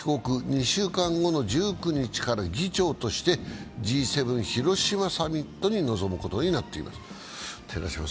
２週間後の１９日から議長としてＧ７広島サミットに臨むことになっています。